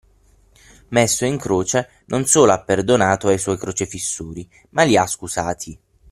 Messo in croce, non solo ha perdonato ai suoi crocefissori, ma li ha scusati.